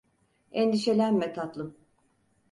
Endişelenme tatlım.